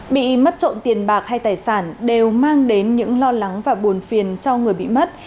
bị mất trộm tiền bạc hay tài sản đều mang đến những lo lắng và buồn phiền cho người bị mất